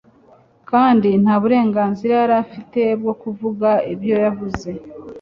kandi nta burenganzira yari afite bwo kuvuga ibyo yavuze